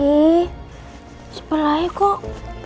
eh sebelahnya kok